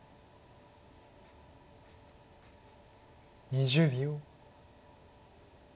２０秒。